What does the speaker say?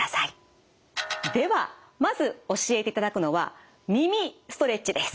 ではまず教えていただくのは耳ストレッチです。